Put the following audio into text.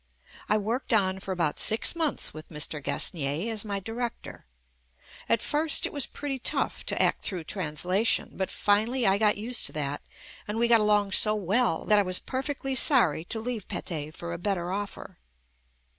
I worked on for about six months with Mr. Gasnier as my director. At first it was pretty tough to act through trans lation, but finally I got used to that and we got along so well that I was perfectly sorry to leave Pathe for a better offer.